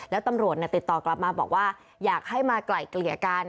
แล้วตำรวจติดต่อกลับมาบอกว่าอยากให้มาไกล่เกลี่ยกัน